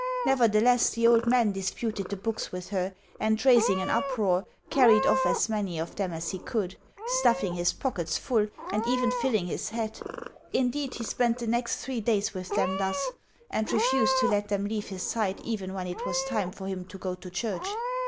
Nevertheless, the old man disputed the books with her, and, raising an uproar, carried off as many of them as he could stuffing his pockets full, and even filling his hat. Indeed, he spent the next three days with them thus, and refused to let them leave his sight even when it was time for him to go to church.